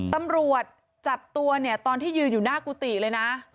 ตำรวจจับตัวเนี่ยตอนที่ยืนอยู่หน้ากุฏิเลยนะ